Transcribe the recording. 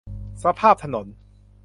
สภาพถนน